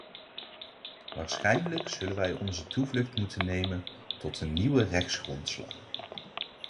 Waarschijnlijk zullen wij onze toevlucht moeten nemen tot een nieuwe rechtsgrondslag.